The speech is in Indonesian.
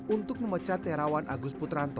untuk memecat terawan agus putranto